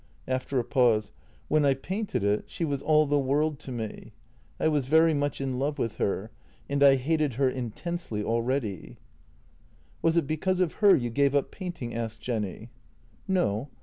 After a pause " When I painted it, she was all the world to me. I was very much in love with her — and I hated her intensely al ready." " Was it because of her you gave up painting? " asked Jenny. "No.